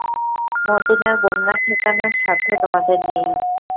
মদীনার বন্যা ঠেকানোর সাধ্য তোমাদের নেই।